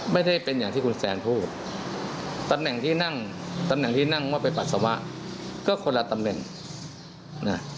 ไม่ได้เป็นอย่างที่คุณแซนพูดตำแหน่งที่นั่งตำแหน่งที่นั่งว่าไปปัสสาวะก็คนละตำแหน่งนะ